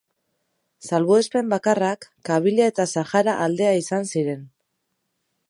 Salbuespen bakarrak Kabilia eta Sahara aldea izan ziren.